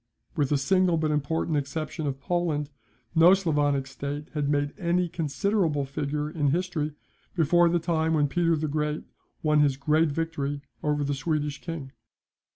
With the single but important exception of Poland, no Sclavonic state had made any considerable figure in history before the time when Peter the Great won his great victory over the Swedish king.